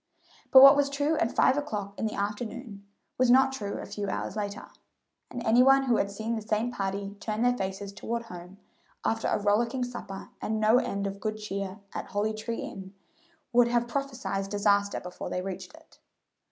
But what was true at five o'clock in the afternoon was not true a few hours later, and any one who had seen the same party turn their faces toward home, after a rollicking supper and no end of good cheer at Holly tree Inn, would have prophesied disaster before they reached it.